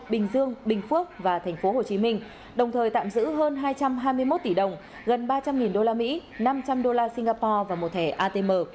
bình dương bình phước và tp hcm đồng thời tạm giữ hơn hai trăm hai mươi một tỷ đồng gần ba trăm linh usd năm trăm linh đô la singapore và một thẻ atm